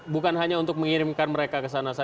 bukan hanya untuk mengirimkan mereka ke sana